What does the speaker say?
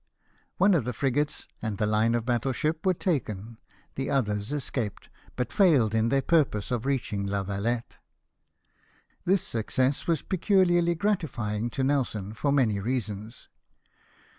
One of the frigates and the line of battle ship were taken ; the others escaped, but failed in their purpose of reaching La Yalette. This success was pecuharly gratifying to Nelson for many reasons.